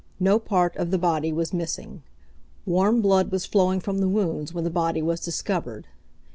No part of the body was missing. Warm blood was flowing from the wounds when the body was discovered.